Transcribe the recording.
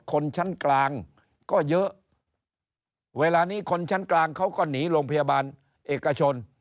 คนชั้นกลางก็เยอะเวลานี้คนชั้นกลางเขาก็หนีโรงพยาบาลเอกชน